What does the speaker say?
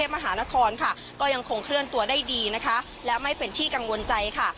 มหานครค่ะก็ยังคงเคลื่อนตัวได้ดีนะคะและไม่เป็นที่กังวลใจค่ะ